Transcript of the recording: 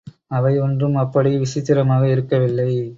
அவை ஒன்றும் அப்படி விசித்திரமாக இருக்க வில்லை.